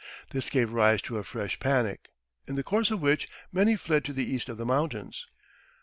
This gave rise to a fresh panic, in the course of which many fled to the east of the mountains.